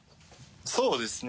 そうですね